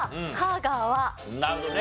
なるほどね。